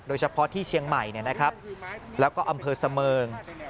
โดยเฉพาะที่เชียงใหม่แล้วก็อำเภอเสมิง